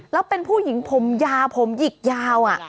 แล้วเป็นผู้หญิงผมยาวผมหยิกยาว